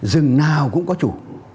rừng nào cũng có chủ